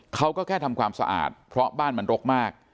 เขาก็แค่ทำความสะอาดเพราะบ้านมันรกมาก